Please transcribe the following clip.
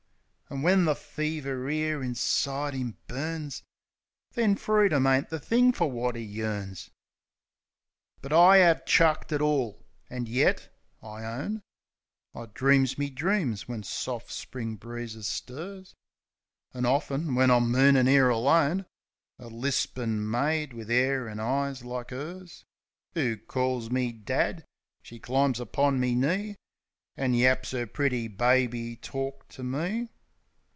An' when the fever 'ere inside 'im burns, Then freedom ain't the thing fer wot 'e yearns. But I 'ave chucked it all. An' yet — I own I dreams me dreams when soft Spring breezes stirs; An' often, when I'm moonin' 'ere alone, A lispin' maid, wiv 'air an' eyes like 'ers, 'Oo calls me "dad," she climbs upon me knee, An' yaps 'er pretty baby tork to me.